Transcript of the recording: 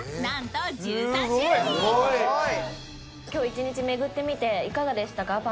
今日１日巡ってみていかがでしたか？